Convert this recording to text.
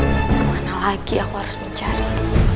kemana lagi aku harus mencari